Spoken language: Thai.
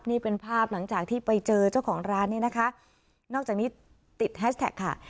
นี่เป็นภาพหลังจากที่ไปเจอเจ้าของร้านเนี่ยนะคะนอกจากนี้ติดแฮชแท็กค่ะ